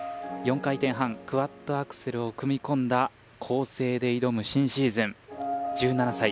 ４回転半クワッドアクセルを組み込んだ構成で挑む新シーズン１７歳